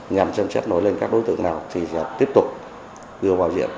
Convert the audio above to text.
nhằm xem xét nối lên các đối tượng nào thì sẽ tiếp tục đưa vào diện